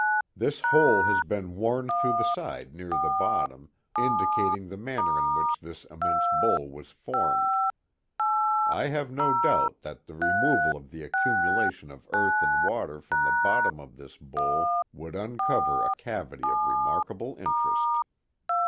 This hole has been worn (hrou«h the side near the bottom, indicating the manner in which this immense bowl was formed. I have no doubt ihat the removal of the accumulation of earth and water from the bottom of this bowl would uncover a cavity of remarkable interest.